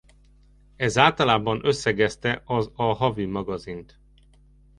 Ez általában összegezte az a havi magazint.